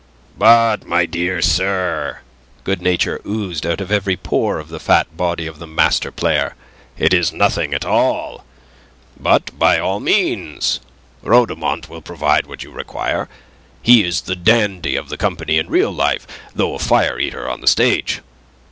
"But, my dear sir!" Good nature oozed out of every pore of the fat body of the master player. "It is nothing at all. But, by all means. Rhodomont will provide what you require. He is the dandy of the company in real life, though a fire eater on the stage.